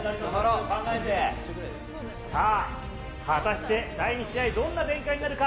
さあ、果たして第２試合、どんな展開になるか。